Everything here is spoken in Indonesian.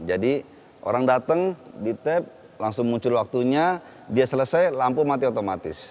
jadi orang datang ditab langsung muncul waktunya dia selesai lampu mati otomatis